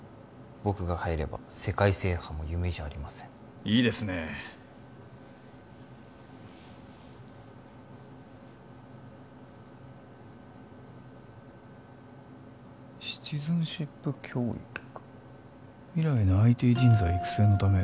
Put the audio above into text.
僕が入れば世界制覇も夢じゃありませんいいですね「シチズンシップ教育」「未来のＩＴ人材育成のため」